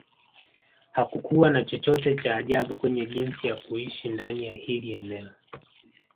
Hakukua na chochote cha ajabu kwenye jinsi ya kuishi ndani ya hili eneo